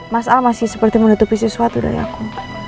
mas al masih seperti menutupi sesuatu dari aku